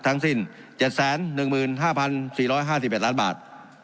ทั้งสิ้นเจ็ดแสนหนึ่งหมื่นห้าพันสี่ร้อยห้าสิบเอ็ดล้านบาท